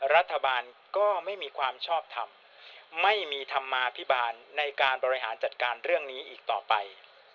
รัฐบาลก็ไม่มีความชอบทำไม่มีธรรมาภิบาลในการบริหารจัดการเรื่องนี้อีกต่อไป